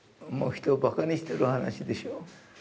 人をばかにしてる話でしょう？